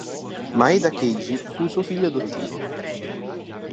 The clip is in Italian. Maeda Keiji fu suo figlio adottivo.